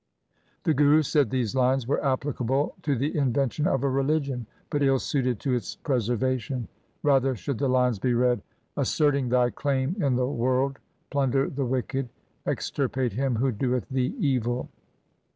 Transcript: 1 The Guru said these lines were applicable to the invention of a religion, but ill suited to its preserva tion. Rather should the lines be read :— 1 That is, the world. Q2 228 THE SIKH RELIGION Asserting thy claim in the world plunder the wicked. Extirpate him who doeth thee evil.